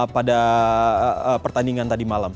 pada pertandingan tadi malam